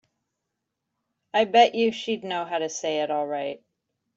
I bet you she'd know how to say it all right.